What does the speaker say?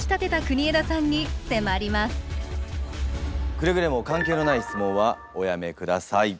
くれぐれも関係のない質問はおやめください。